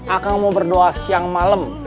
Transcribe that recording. akang mau berdoa siang malem